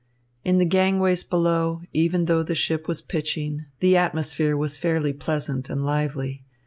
In the gangways below, even though the ship was pitching, the atmosphere was fairly pleasant and lively.